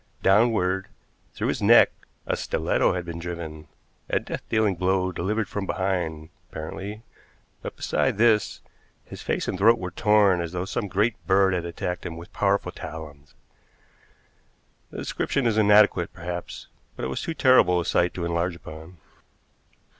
Downward, through his neck, a stiletto had been driven, a death dealing blow delivered from behind, apparently, but besides this his face and throat were torn as though some great bird had attacked him with powerful talons. The description is inadequate, perhaps, but it was too terrible a sight to enlarge upon.